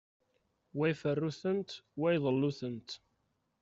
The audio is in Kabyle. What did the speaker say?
Wa iferru-tent, wa iḍellu-tent.